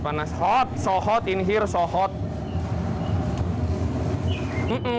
panas sekali di sini